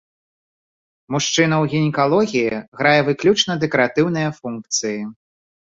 Мужчына ў гінекалогіі грае выключна дэкаратыўныя функцыі.